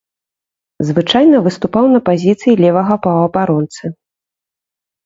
Звычайна выступаў на пазіцыі левага паўабаронцы.